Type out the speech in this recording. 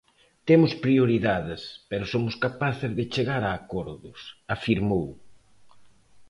"Temos prioridades, pero somos capaces de chegar a acordos", afirmou.